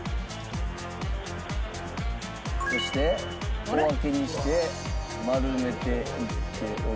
そして小分けにして丸めていっており。